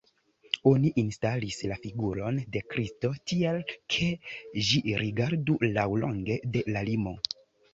Oni instalis la figuron de Kristo tiel, ke ĝi rigardu laŭlonge de la limo.